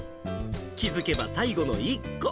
気付けば最後の１個。